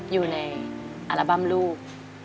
อยู่ในอัลบั้มลูก